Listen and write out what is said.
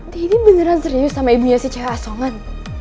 dedy beneran serius sama ibunya si cewek asongan